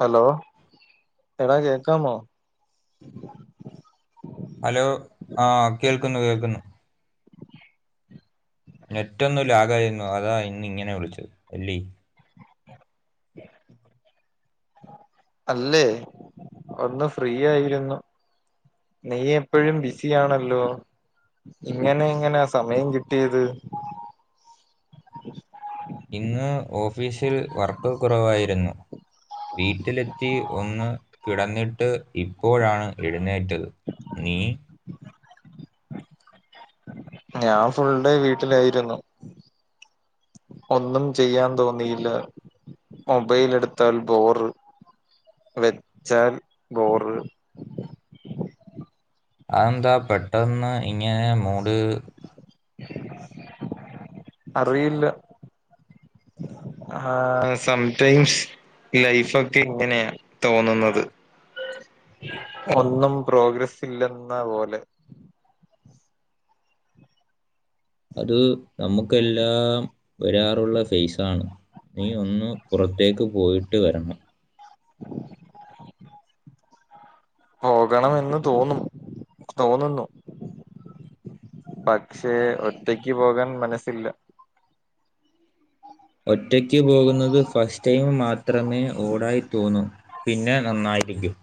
Hello എടാ കേക്കാമോ hello ആഹ് കേൾക്കുന്നു കേൾക്കുന്നു നെറ്റൊന്നും ഇല്ലലാഗ ആയിരുന്നു അതാ ഇന്ന് ഇങ്ങനെ വിളിച്ചത് അല്ലീ ഉ അല്ലേ ഒന്ന് ഫ്രീ ആയിരുന്നു നീ എപ്പഴും ബിസി ആണല്ലോ ഇങ്ങനെ എങ്ങനെയ സമയം കിട്ടിയത് ഇന്ന് ഓഫീസിൽ വർക്ക് കുറവായിരുന്നു വീട്ടിലെത്തി ഒന്ന് കിടന്നിട്ട് ഇപ്പോഴാണ് എഴുന്നേറ്റത് നീ ഞാൻ ഫുൾ ഡേ വീട്ടിലായിരുന്നു ഒന്നും ചെയ്യാൻ തോന്നിയില്ല മൊബൈൽ എടുത്താൽ ബോറ് വെച്ചാൽ ബോറ് അതെന്താ പെട്ടന്ന് ഇങ്ങനെ മൂട് അറിയില്ല ആഹ സംടൈംസ് ലൈഫ് ഒക്കെ ഇങ്ങനെയ തോന്നുന്നത് ഒന്നും പ്രോഗ്രസ് ഇല്ലെന്ന പോലെ അത് നമുക്കെല്ലാം വരാറുള്ള ഫേസാണ് നീ ഒന്ന് പുറത്തേക്ക് പോയിട്ട് വരണം പോകണമെന്ന് തോന്നും തോന്നുന്നു പക്ഷെ ഒറ്റക്ക് പോകാൻ മനസ്സില്ല ഒറ്റക്ക്പോകുന്നത് ഫസ്റ്റ് ടൈം മാത്രമേ ഓടായി തോന്നൂ പിന്നെ നന്നായിരിക്കും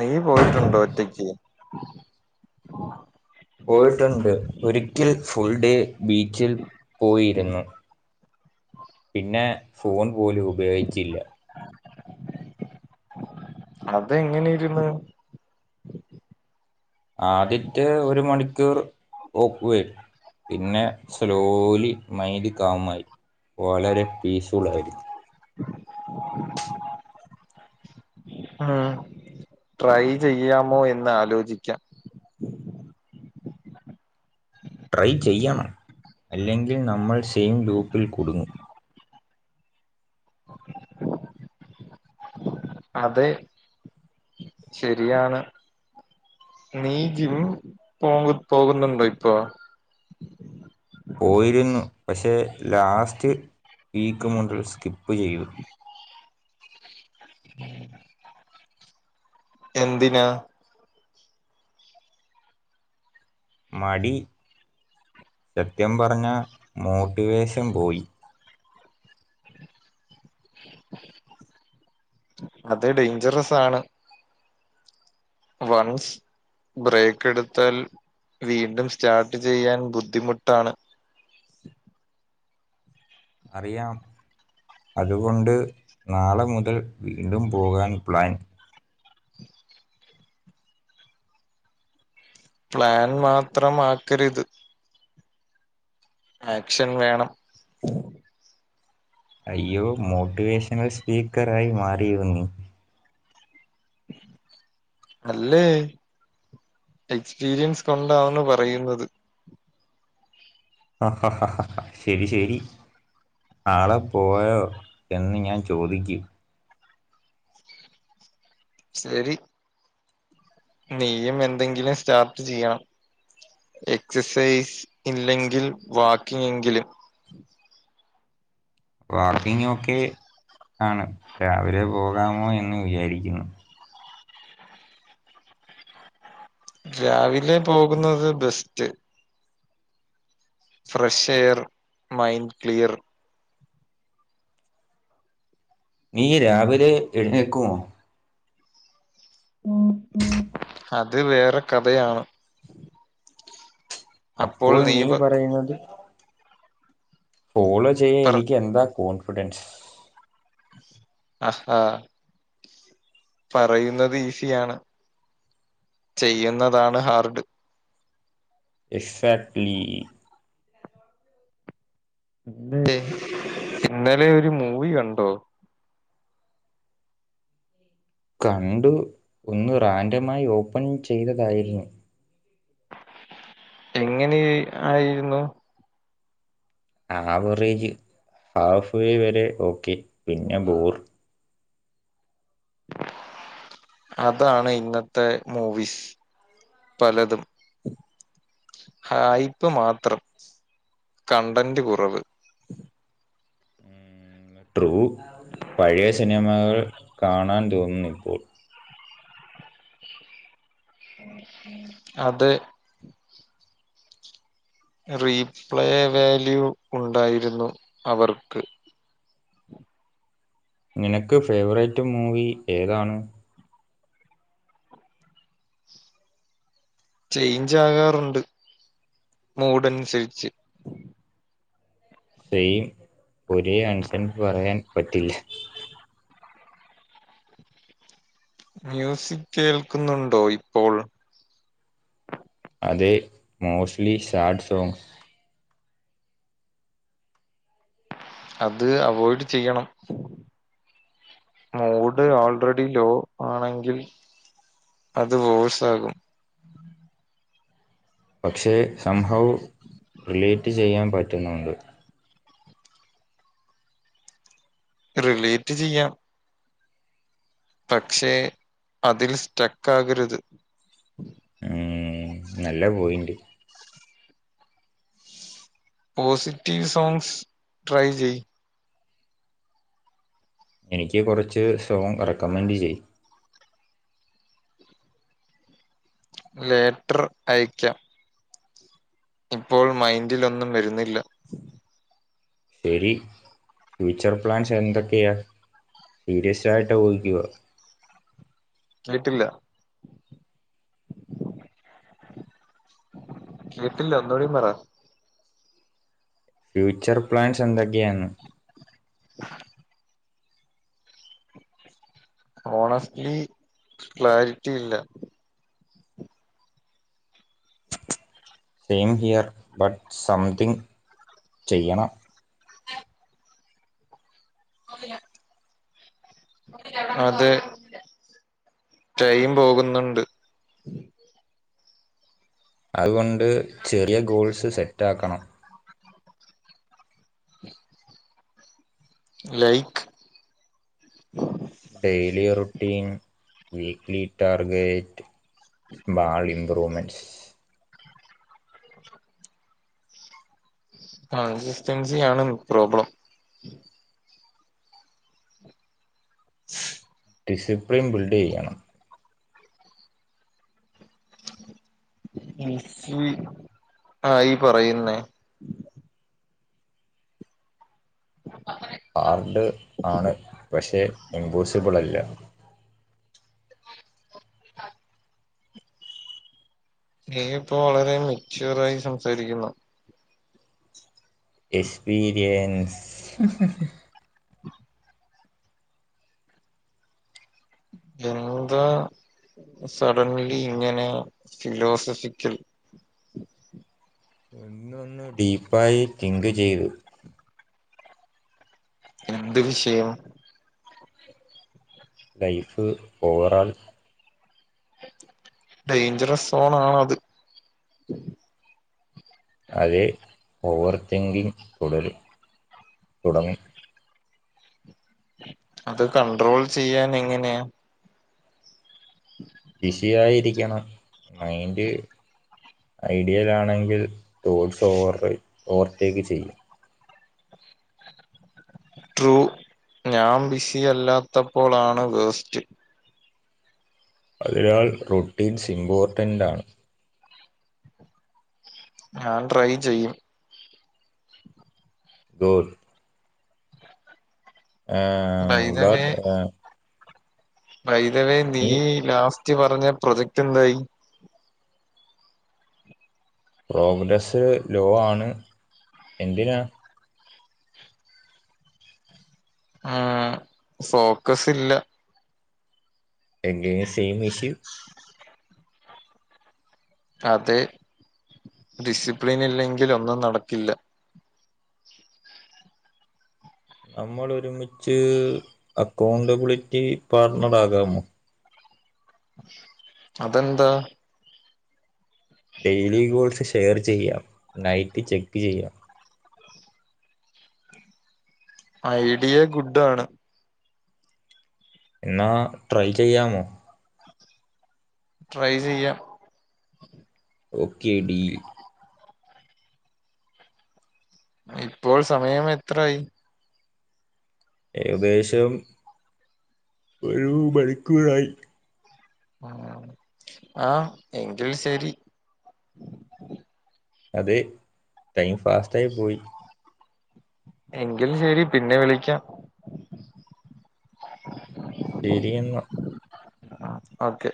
നീ പോയിട്ടുണ്ടോ ഒറ്റക്ക് പോയിട്ടുണ്ട് ഒരിക്കൽ ഫുൾ ഡേ ബീച്ചിൽ പോയിരുന്നു പിന്നെ ഫോൺ പോലും ഉപയോഗിച്ചില്ല അതെങ്ങനെ ഇര്ന്ന് ആദ്യത്തെ ഒരു മണിക്കൂർ ഓക്ക്വേർഡ്. പിന്നെ സ്ലോലി മൈൻഡ് കാമായി വളരെ പീസ്ഫുൾ ആയിരുന്നു. [inaudible] ആഹ്. ട്രൈ ചെയ്യാമോ എന്ന് ആലോചിക്കാം. ട്രൈ ചെയ്യണം. അല്ലെങ്കിൽ നമ്മൾ സെയിം ലൂപ്പിൽ കുടുങ്ങും. അതെ ശരിയാണ് നീ ജിം പോകു പോകുന്നുണ്ടോ ഇപ്പോ? പോയിരുന്നു പക്ഷേ ലാസ്റ്റ് വീക്ക് മുതൽ സ്കിപ്പ് ചെയ്യൂ. ഉം എന്തിനാ? മടി, സത്യം പറഞ്ഞാ മോട്ടിവേഷൻ പോയി. അത് ഡേഞ്ചറസാണ്. വൺസ് ബ്രേക്ക് എടുത്താൽ വീണ്ടും സ്റ്റാർട്ട് ചെയ്യാൻ ബുദ്ധിമുട്ടാണ് അറിയാം അതുകൊണ്ട് നാളെ മുതൽ വീണ്ടും പോകാൻ പ്ലാൻ പ്ലാൻ മാത്രം ആക്കരുത് ആക്ഷൻ വേണം അയ്യോ മോട്ടിവേഷണൽ സ്പീക്കറായി മാറിയോ നി. അല്ലേയ് എക്സ്പീരിയൻസ് കൊണ്ടാണ് പറയുന്നത് അ ഹ ഹ ഹ ഹാ ശരി ശരി നാളെ പോയോ എന്ന് ഞാൻ ചോദിക്കും ശരി നീയും എന്തെങ്കിലും സ്റ്റാർട്ട് ചെയ്യാം എക്സസൈസ് ഇല്ലെങ്കിൽ വാക്കിംഗ് എങ്കിലും വാക്കിങ്ങ് ഒക്കെ ആണ് രാവിലെ പോകാമോ എന്ന് വിചാരിക്കുന്നു രാവിലെ പോകുന്നത് best fresh air mind clear നീ രാവിലെ എഴുന്നേക്കോ? അത് വേറെ കഥയാണ് അപ്പോൾ നീ പറയുന്നത് ഫോളോ ചെയ്യാൻ പറ എനിക്ക് എന്താ കോൺഫിഡൻസ് അഹാ പറയുന്നത് ഈസിയാണ് ചെയ്യുന്നതാണ് ഹാർഡ് എക്സാക്ട്ലി ഇല്ലേ ഇന്നലെ ഒരു മൂവി കണ്ടോ കണ്ടു ഒന്ന് റാൻഡമായി ഓപ്പൺ ചെയ്തതായിരുന്നു എങ്ങനെ ആയിരുന്നു ആവറേജ് ഹാഫ് വേ വരെ ഓക്കെ പിന്നെ ബോർ അതാണ് ഇന്നത്തെ മൂവിസ് പലതും ഹായ്പ്പ് മാത്രം കണ്ടന്റ് കുറവ് ത്രു പഴയ സിനിമകൾ കാണാൻ തോന്നുന്നു ഇപ്പോൾ അതെ റീപ്ലേ വാല്യൂ ഉണ്ടായിരുന്നു അവർക്ക് നിനക്ക് ഫേവറേറ്റ് മൂവി ഏതാണ് ചേഞ്ച് ആകാറുണ്ട് മൂഡ് അനുസരിച്ച് സെയിം ഒരേ ആൻസൻസ് പറയാൻ പറ്റില്ല മ്യൂസിക് കേൾക്കുന്നുണ്ടൊ ഇപ്പോൾ അതെ മോസ്റ്റ്ലി സാഡ് സോങ്ങ്സ് അത് അവോയ്ഡ് ചെയ്യണം മോഡ് ആൾറെഡി ലോ ആണെങ്കിൽ അത് പോഴ്സാകും പക്ഷേ സംഹവ് റിലേറ്റ് ചെയ്യാൻ പറ്റുന്നുണ്ട് റിലേറ്റ് ചെയ്യാം പക്ഷേ അതിൽ സ്റ്റക്ക് ആകരുത് ഉം, നല്ല പോയിൻ്റ് പോസിറ്റീവ് സോങ്സ് ട്രൈ ചെയ്യ് എനിക്ക് കൊറച്ച് സോങ് റെക്കമെന്റ് ചെയ്യ് ലെറ്റർ അയക്കാം ഇപ്പോഴും മൈന്റിലൊന്നും വരുന്നില്ല ശരി ഫ്യൂച്ചർ പ്ലാൻസ് എന്തൊക്കെയാ സീരിയസ് ആയിട്ട് ചോദിക്കുവ കേട്ടില്ല കേട്ടില്ല ഒന്നൂടെ പറ ഫ്യൂച്ചർ പ്ലാൻസ് എന്തൊക്കെയാന്ന് [unintelligible] ഓണസ്റ്റ്ലി ക്ലാരിറ്റി ഇല്ല സെയിം ഹിയർ ബട്ട് സംതിങ്ങ് ചെയ്യണം ഓഫ്‌ യ്യ അതെ ടൈം പോകുന്നുണ്ട് അതുകൊണ്ട് ചെറിയ ഗോൾസ് സെറ്റ് ആക്കണം like daily routine weekly target ഭാവി ഇമ്പ്രൂവ്മെൻസ് [unintelligible] ആ ഇസ്റ്റൻസി ആണ് പ്രോബ്ലം ശ് ഡിസിപ്ലിൻ ബിൽടെയ്യണം ബിസി ആ ഈ പറയുന്നേ ആർഡ് ആണ് പക്ഷേ ഇംപോസിബിള് അല്ല ആഹ് നീ ഇപ്പൊ വളരെ മെച്യൂർ ആയി സംസാരിക്കുന്നു എക്സ്പീരിയൻസ് എന്താ സഡൻലി ഇങ്ങനെ ഫിലോസഫിക്കൽ ഇന്നൊന്ന് ഡീപ്പായി തിങ്ക് ചെയ്തു എന്ത് വിഷയം ലൈഫ് ഓവറാൾ ഡേഞ്ചറസ് സോൺ ആണ് അത് അത് ഓവർ തിങ്കിങ് തുടരും തുടങ്ങും അത് കണ്ട്രോൾ ചെയ്യാൻ എങ്ങനെയാ ബിസിയായിരിക്കണം മൈൻഡ് ഐഡിയൽ ആണെങ്കിൽ ടോഡ്സ് ഓവർ ഓവർടേക്ക് ചെയ്യും ട്രൂ ഞാൻ ബിസി അല്ലാത്തപ്പോളാണ് വേസ്റ്റ് അതിനാൽ റുട്ടീൻസ് ഇമ്പോർട്ടറ്റാണ് ഞാൻ ട്രൈ ചെയ്യും good ah by the but പൈതലേ നീ ഈ ലാസ്റ്റ് പറഞ്ഞ പ്രൊജക്ട് എന്തായി പ്രോഗ്രസ്സ് ലോ ആണ് എന്തിനാ ഉം ഫോക്കസ് ഇല്ല എന്റെയും സെയിം ഇഷ്യൂ അതെ ഡിസിപ്ലിൻ ഇല്ലെങ്കിൽ ഒന്നും നടക്കില്ല നമ്മൾ ഒരുമിച്ച് അക്കൗണ്ടബിലിറ്റി പാർട്ണർ ആകാമോ അതെന്താ ഡെയിലി ഗോൾസിഷ് ഷെയർ ചെയ്യാം നൈറ്റ് ചെക്ക് ചെയ്യാം ഐഡിയ ഗുഡ് ആണ് എന്നാ ട്രൈ ചെയ്യാമോ ട്രൈ ചെയാം ഓക്കെ ഡീൽ ഇപ്പോൾ സമയം എത്രായി ഏകദേശം ഒരു മണിക്കൂറായി ഉം ആഹ് എങ്കിൽ ശരി അത് ടൈം ഫാസ്റ്റായി പോയി എങ്കിലും ശരി പിന്നെ വിളിക്കാം ശരി എന്നാ ഓക്കെ